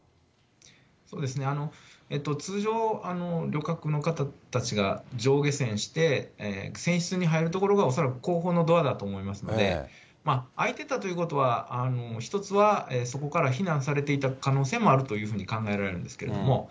そうですね、通常、の方たちが乗下船して、船室に入る所が恐らく後方のドアだと思いますので、開いてたということは、一つはそこから避難されていた可能性もあるというふうに考えられるんですけども。